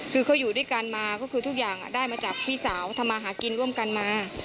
คือเขาอยู่ด้วยกันมาก็คือทุกอย่างได้มาจากพี่สาวทำมาหากินร่วมกันมา